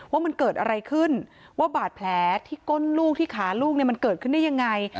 ว่ามันเกิดอะไรขึ้นว่าบาดแผลที่ก้นลูกที่ขาลูกเนี่ยมันเกิดขึ้นได้ยังไง